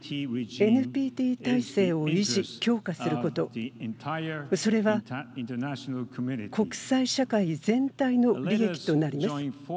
ＮＰＴ体制を維持、強化することそれは国際社会全体の利益となります。